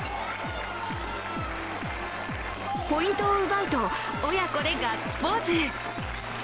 ポイントを奪うと親子でガッツポーズ。